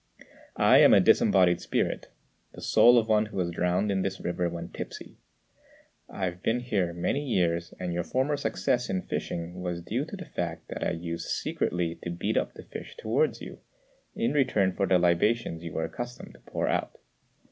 I am a disembodied spirit the soul of one who was drowned in this river when tipsy. I have been here many years, and your former success in fishing was due to the fact that I used secretly to beat up the fish towards you, in return for the libations you were accustomed to pour out.